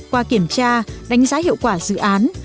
qua kiểm tra đánh giá hiệu quả dự án